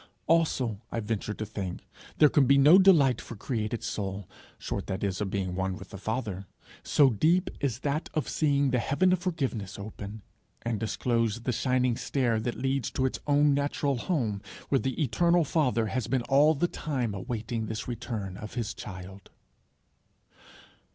Also I venture to think there can be no delight for created soul short, that is, of being one with the Father so deep as that of seeing the heaven of forgiveness open, and disclose the shining stair that leads to its own natural home, where the eternal father has been all the time awaiting this return of his child.